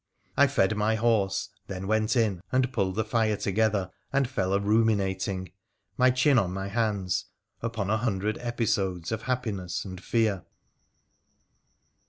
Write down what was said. I fed my horse, then went in and pulled the fire together, and fell a ruminating, my chin on my hands, upon a hundred episodes of happiness and fear.